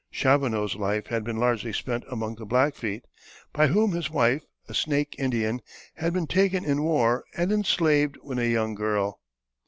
Chaboneau's life had been largely spent among the Blackfeet, by whom his wife, a Snake Indian, had been taken in war and enslaved when a young girl.